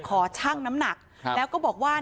ชั่งน้ำหนักแล้วก็บอกว่า